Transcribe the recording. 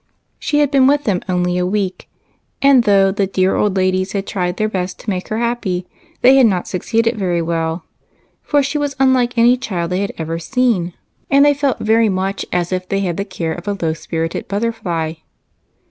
She had been with them only a week, and, though the dear old ladies had tried their best to make her happy, they had not succeeded very well, for she was unlike any child they had ever seen, and they felt very much as if they had the care of a low spirited butterfly.